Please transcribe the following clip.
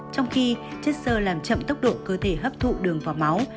trong khi chất sơ làm chậm tốc độ cơ thể hấp thụ đường vào máu